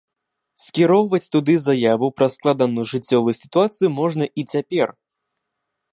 Скіроўваць туды заяву пра складаную жыццёвую сітуацыю можна і цяпер.